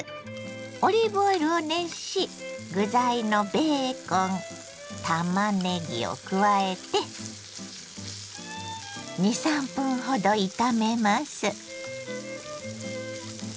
オリーブオイルを熱し具材のベーコンたまねぎを加えて２３分ほど炒めます。